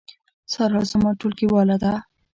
سارا زما ټولګیواله ده